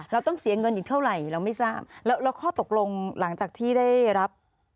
เราต้องเสียเงินอีกเท่าไหร่เราไม่ทราบแล้วแล้วข้อตกลงหลังจากที่ได้รับ